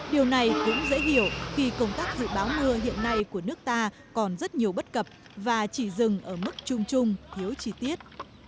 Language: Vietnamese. điều này cũng dễ hiểu khi công tác dự báo mưa hiện nay của nước ta còn rất nhiều bất cập và chỉ dừng ở mức chung chung thiếu chi tiết